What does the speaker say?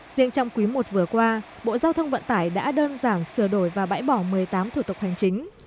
riêng trong quý i vừa qua bộ giao thông vận tải đã đơn giản sửa đổi và bãi bỏ một mươi tám thủ tục hành chính